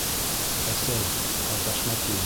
Әсәй, һаташма, тием!